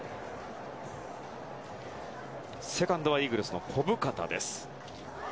セカンドはイーグルスの小深田です。